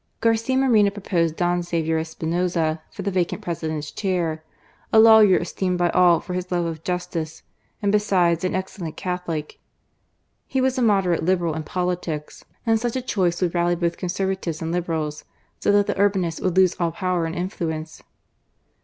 Garcia Moreno proposed Don Xavier Espinoza, for the vacant President's chair, a lawyer esteemed by all for his love of justice, and besides an excellent Catholic. He was a moderate Liberal in politics, and such a choice would rally both Con servatives and Liberals, so that the Urbinists would lose all power and influence.